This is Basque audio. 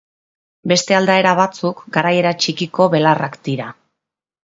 Beste aldaera batzuk garaiera txikiko belarrak dira.